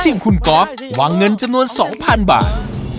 ทีมคุณกอล์ฟวางเงินจำนวน๒๐๐๐บาท